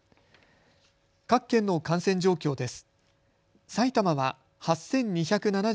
各県の感染状況です。